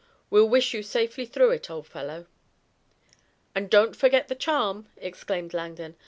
We'll wish you safely through it, old fellow." "And don't forget the charm!" exclaimed Langdon.